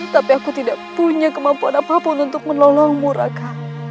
tapi aku tidak punya kemampuan apapun untuk menolongmu raka